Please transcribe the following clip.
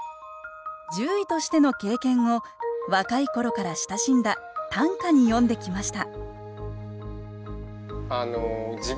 獣医としての経験を若い頃から親しんだ短歌に詠んできました